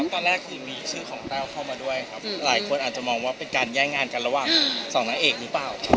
ตอนแรกคือมีชื่อของแต้วเข้ามาด้วยครับหลายคนอาจจะมองว่าเป็นการแย่งงานกันระหว่างสองนางเอกหรือเปล่า